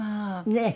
ねえ？